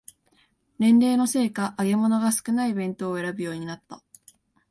年齢のせいか揚げ物が少ない弁当を選ぶようになった